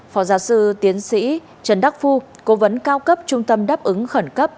phó giáo sư tiến sĩ trần đắc phu cố vấn cao cấp trung tâm đáp ứng khẩn cấp